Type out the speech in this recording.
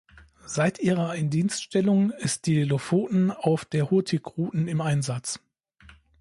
Seit ihrer Indienststellung ist die "Lofoten" auf der Hurtigruten im Einsatz.